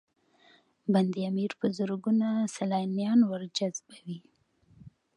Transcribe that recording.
بند امیر په زرګونه سیلانیان ورجذبوي